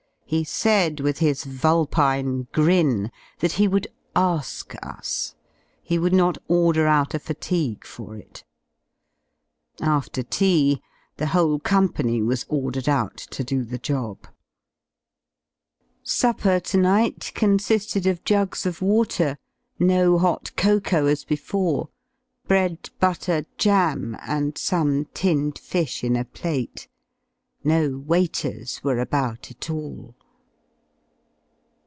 He said, with his vulpine grin, that he would ask us, he would not order out a fatigue for it. After tea the whole Company was ordered out to do the job. Supper to night consi^ed of jugs of water, no hot cocoa as before, bread, butter, jam, and some tinned fish in a plate. No waiters were about at all.